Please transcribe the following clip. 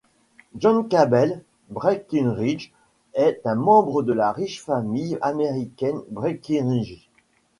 John Cabell Breckinridge est un membre de la riche famille américaine Breckinridge.